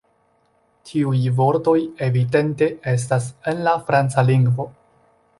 Tiuj vortoj evidente estas en la franca lingvo.